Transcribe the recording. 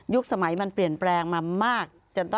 สมัยมันเปลี่ยนแปลงมามาก